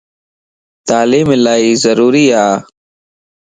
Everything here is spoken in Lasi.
تعليم الائي ضروري ا